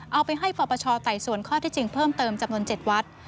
เอาไปให้ปปชไต่สวนข้อที่จริงเพิ่มเติมจำนวน๗วัด